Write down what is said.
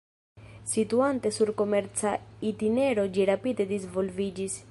Situante sur komerca itinero ĝi rapide disvolviĝis.